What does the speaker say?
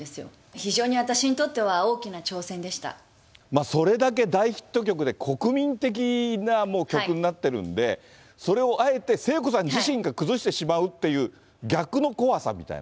非常に私にとっては、大きな挑戦それだけ大ヒット曲で、国民的な曲になってるんで、それをあえて、聖子さん自身が崩してしまうっていう逆の怖さみたいな。